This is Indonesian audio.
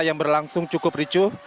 yang berlangsung cukup ricu